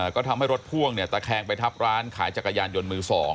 ก็ทำให้รถพ่วงตะแคงไปทับร้านขายจักรยานยนต์มือ๒